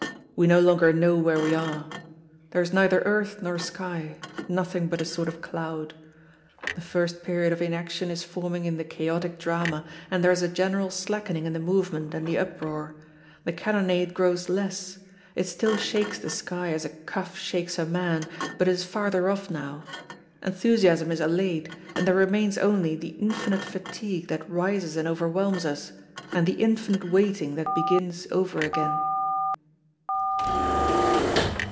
We no longer know where we are. There is neither earth nor sky nothing but a sort of cloud. The first period of inaction is forming in the chaotic drama, and there is a general slackening in the movement and the uproar. The cannonade grows less; it still shakes the sky as a cough shakes a man, but it is farther off now. Enthusiasm is allayed, and there remains only the infinite fatigue that rises and overwhelms us, and the infinite waiting that begins over again.